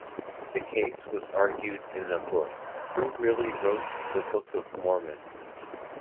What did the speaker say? The case was argued in a book, Who Really Wrote the Book of Mormon?